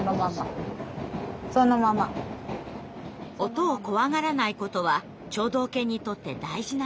音を怖がらないことは聴導犬にとって大事な要素。